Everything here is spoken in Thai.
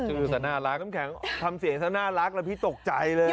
คือสะน่ารักทำเสียงสะน่ารักแล้วพี่ตกใจเลย